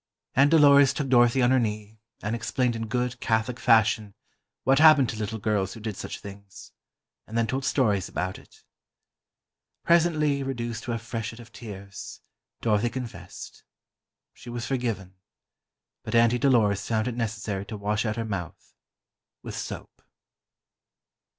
Aunt Dolores took Dorothy on her knee and explained in good, Catholic fashion what happened to little girls who did such things, and then told stories about it. Presently reduced to a freshet of tears, Dorothy confessed. She was forgiven; but Auntie Dolores found it necessary to wash out her mouth, with soap.